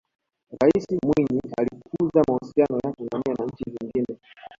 raisi mwinyi alikuza mahusiano ya tanzania na nchi zingine